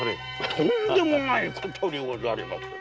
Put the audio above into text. とんでもないことでござりまする。